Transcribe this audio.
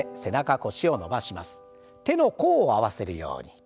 手の甲を合わせるように。